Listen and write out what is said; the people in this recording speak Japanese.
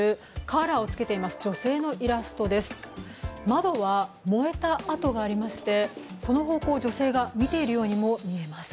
窓は燃えた跡がありましてその方向を女性が見ているようにも見えます。